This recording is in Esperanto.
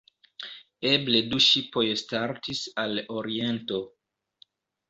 Eble du ŝipoj startis al Oriento.